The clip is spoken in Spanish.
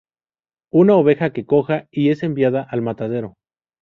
Una oveja queda coja y es enviada al matadero.